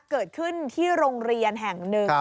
เกิดขึ้นที่โรงเรียนแห่งหนึ่ง